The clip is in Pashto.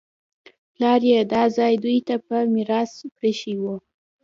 پلار یې دا ځای دوی ته په میراث پرېښی و